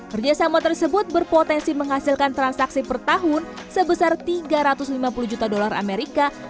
kerjasama tersebut berpotensi menghasilkan transaksi per tahun sebesar tiga ratus lima puluh juta dolar amerika